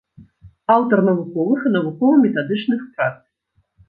Аўтар навуковых і навукова-метадычных прац.